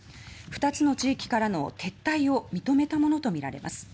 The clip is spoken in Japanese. ２つの地域からの撤退を認めたものとみられます。